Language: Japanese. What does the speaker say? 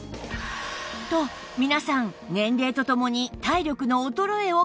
と皆さん年齢とともに体力の衰えを感じているそう